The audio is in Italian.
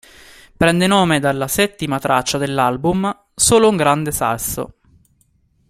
Prende nome dalla settima traccia dell'album "Solo un grande sasso".